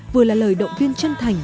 vừa là lời động viên chân thành